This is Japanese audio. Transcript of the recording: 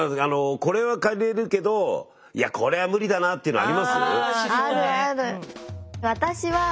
これは借りれるけどこれは無理だなっていうのあります？